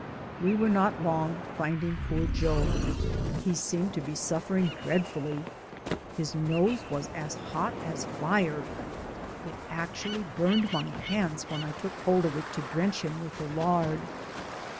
We were not long finding poor Joe. He seemed to be suffering dreadfully. His nose was as hot as fire. It actually burned my hands when I took hold of it to drench him 246 DAYS ON THE ROAD. with the lard.